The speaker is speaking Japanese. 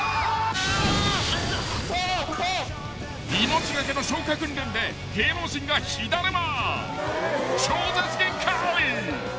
［命懸けの消火訓練で芸能人が火だるま］